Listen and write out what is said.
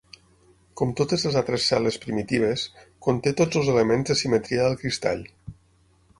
Com totes les altres cel·les primitives, conté tots els elements de simetria del cristall.